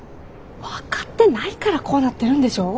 分かってないからこうなってるんでしょ！